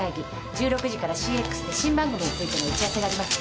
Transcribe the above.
１６時からＣＸで新番組についての打ち合わせがあります。